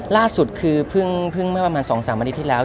ล่าสุดพึ่งก็ประมาณ๒๓วันที่ที่แล้ว